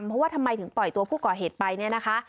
เพราะว่าทำไมถึงปล่อยตัวผู้ก่อเหตุไปเนี่ยนะคะ